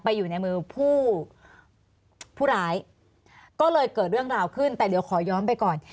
อยู่ในมือผู้ร้ายก็เลยเกิดเรื่องราวขึ้นแต่เดี๋ยวขอย้อนไปก่อน